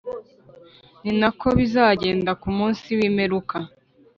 Ni na ko bizagenda ku munsi wimeruka